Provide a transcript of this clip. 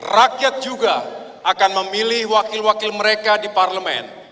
rakyat juga akan memilih wakil wakil mereka di parlemen